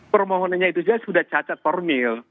permohonannya itu saja sudah cacat formil